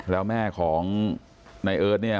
แล้วแม่ของนายเอิร์ทเนี่ย